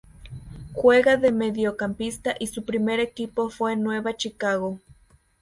Juega de mediocampista y su primer equipo fue Nueva Chicago.